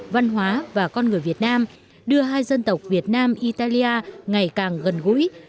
văn hóa và con người việt nam đưa hai dân tộc việt nam italia ngày càng gần gũi